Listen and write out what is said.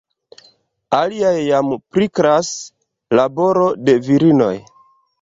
Aliaj jam priklas: laboro de virinoj.